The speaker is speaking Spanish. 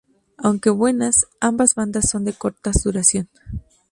Aunque buenas, ambas bandas son de cortas duración.